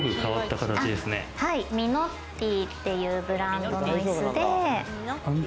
ミノッティっていうブランドの椅子で。